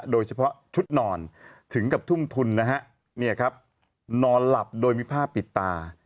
โดยเฉพาะชุดนอนถึงกับทุ่มทุนนะฮะเนี่ยครับนอนหลับโดยมีผ้าปิดตา